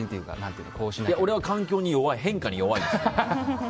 俺は環境の変化に弱いです。